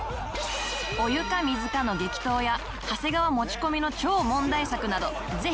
「お湯か水か？」の激闘や長谷川持ち込みの超問題作などぜひご覧ください